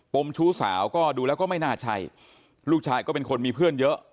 มชู้สาวก็ดูแล้วก็ไม่น่าใช่ลูกชายก็เป็นคนมีเพื่อนเยอะ